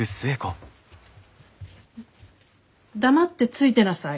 黙ってついてなさい。